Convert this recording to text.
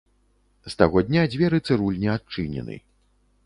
З таго дня дзверы цырульні адчынены.